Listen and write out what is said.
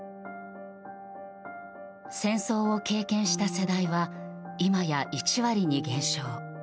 戦争を経験した世代は今や１割に減少。